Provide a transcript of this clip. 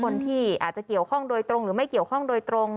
คนที่อาจจะเกี่ยวข้องโดยตรงหรือไม่เกี่ยวข้องโดยตรง